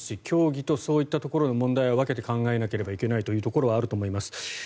競技とそういった問題は分けて考えなければいけないというところはあると思います。